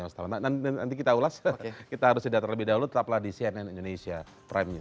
nanti kita ulas kita harus jeda terlebih dahulu tetaplah di cnn indonesia prime news